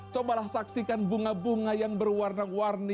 cobalah saksikan bunga bunga yang berwarna warni